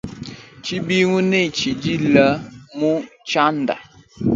Tshibingu ne tshdila mu tshianda.